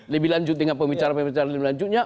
lebih lanjut dengan pembicaraan pembicaraan lebih lanjutnya